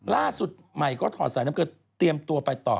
ล่าสุดใหม่ก็ถอดสายน้ำเกลือเตรียมตัวไปต่อ